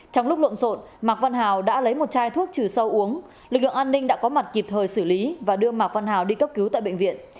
trong lúc luận rộn mạc văn hào đã lấy một chai thuốc trừ sâu uống lực lượng an ninh đã có mặt kịp thời xử lý và đưa mạc văn hào đi cấp cứu tại bệnh viện